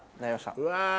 うわ。